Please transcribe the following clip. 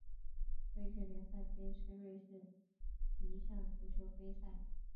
瑞士联赛杯是瑞士一项足球杯赛。